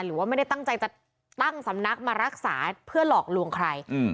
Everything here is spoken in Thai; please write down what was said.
หรือว่าไม่ได้ตั้งใจจะตั้งสำนักมารักษาเพื่อหลอกลวงใคร